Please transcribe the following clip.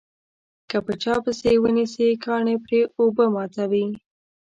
که په چا پسې یې ونسي کاڼي پرې اوبه ماتوي.